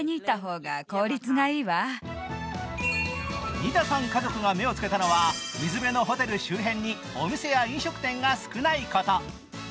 ニタさん家族が目をつけたのは、水辺のホテル周辺にお店や飲食店が少ないこと。